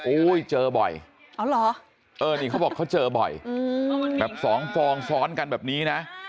เจอบ่อยอ๋อเหรอเออนี่เขาบอกเขาเจอบ่อยแบบสองฟองซ้อนกันแบบนี้นะ